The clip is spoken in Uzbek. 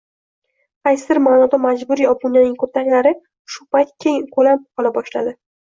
qaysidir ma’noda majburiy obunaning kurtaklari shu payt keng ko‘lam ola boshladi.